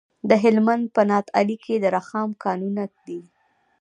د هلمند په نادعلي کې د رخام کانونه دي.